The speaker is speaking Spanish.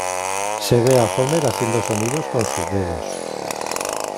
Se ve a Homer haciendo sonidos con sus dedos.